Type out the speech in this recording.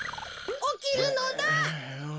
おきるのだ。